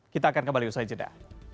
kita akan kembali usai jeda